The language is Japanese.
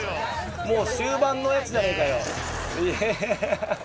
もう終盤のやつじゃねえかよハハハ。